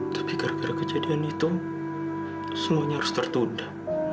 tapi gara gara kejadian itu semuanya harus tertunda